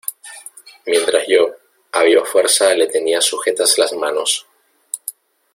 mientras yo, a viva fuerza le tenía sujetas las manos.